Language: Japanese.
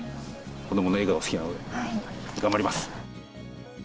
子どもの笑顔、好きなので、頑張ります。